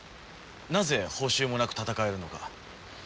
なぜ報酬もなく戦えるのか。